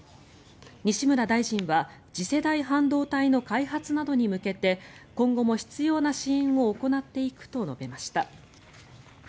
西村大臣は次世代半導体の開発などに向けて今後も必要な支援を行っていくと述べました。